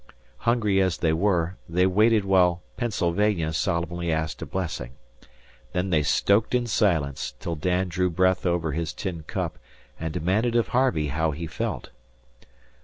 Hungry as they were, they waited while "Pennsylvania" solemnly asked a blessing. Then they stoked in silence till Dan drew a breath over his tin cup and demanded of Harvey how he felt.